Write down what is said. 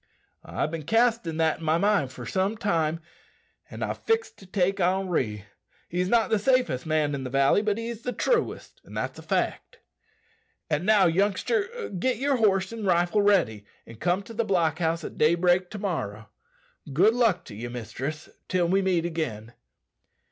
"I've' bin castin' that in my mind for some time, an' I've fixed to take Henri. He's not the safest man in the valley, but he's the truest, that's a fact. And now, youngster, get yer horse an' rifle ready, and come to the block house at daybreak to morrow. Good luck to ye, mistress, till we meet agin."